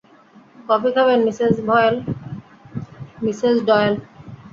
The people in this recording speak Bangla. কফি খাবেন, মিসেস ডয়েল?